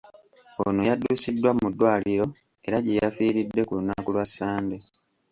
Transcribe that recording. Ono yaddusiddwa mu ddwaliro era gye yafiiridde ku lunaku lwa Ssande.